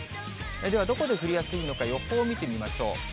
ではどこで降りやすいのか、予報を見てみましょう。